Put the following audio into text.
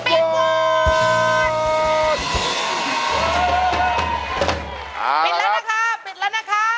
ปิดแล้วนะคะปิดแล้วนะคะ